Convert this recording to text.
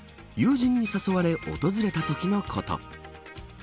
友人に誘われ訪れたときのこと。